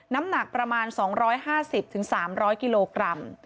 น้ำหนักประมาณ๒๕๐๓๐๐กิโลกรัม